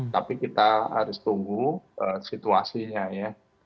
tapi kita harus tunggu situasinya ya